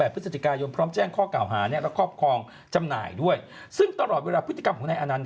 พฤศจิกายนพร้อมแจ้งข้อเก่าหาเนี่ยและครอบครองจำหน่ายด้วยซึ่งตลอดเวลาพฤติกรรมของนายอนันต